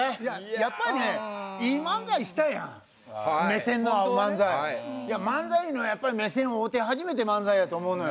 やっぱりねいい漫才したいやん目線の合う漫才漫才の目線合うて初めて漫才やと思うのよ